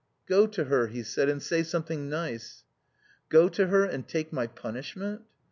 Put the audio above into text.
_" "Go to her," he said, "and say something nice." "Go to her and take my punishment?"